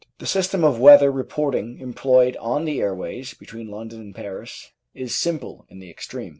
The system of weather reporting employed on the airways between London and Paris is simple in the extreme.